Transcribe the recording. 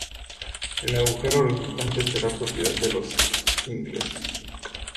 El agujero resultante será propiedad de los ingleses.